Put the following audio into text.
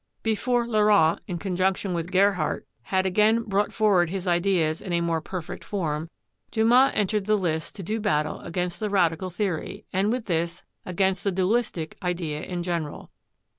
Before Laurent, in conjunction with Gerhardt, had again brought forward his ideas in a more perfect form, Dumas entered the lists to do battle against the radical theory, and, with this, against the dualistic idea in general.